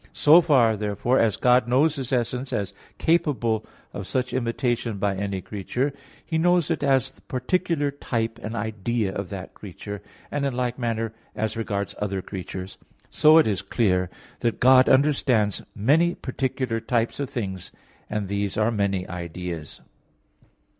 So far, therefore, as God knows His essence as capable of such imitation by any creature, He knows it as the particular type and idea of that creature; and in like manner as regards other creatures. So it is clear that God understands many particular types of things and these are many ideas.